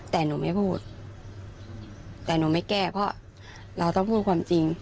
แต่หนูไม่พูดแต่หนูไม่แก้เพราะเราต้องพูดความจริง